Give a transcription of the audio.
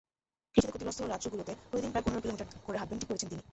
কৃষিতে ক্ষতিগ্রস্ত রাজ্যগুলোতে প্রতিদিন পনেরো কিলোমিটার করে হাঁটবেন ঠিক করেছেন তিনি।